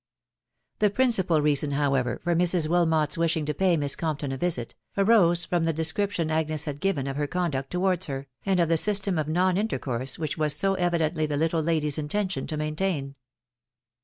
The principal reason, however, for Mrs. Wilmot's wishing to pay Miss Compton a visit, arose from the description Agnes had given of her conduct towards her, and of the system of non intercourse which it was so evidently the little lady's intention to maintain.